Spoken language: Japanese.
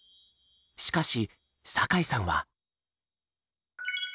しかし酒井さんは。